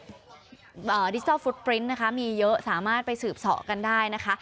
ดิจิทัลฟุตปริ้นต์นะคะมีเยอะสามารถไปสืบสอกันได้นะคะ